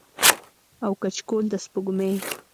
او کچکول د سپوږمۍ